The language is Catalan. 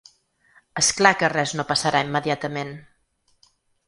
És clar que res no passarà immediatament.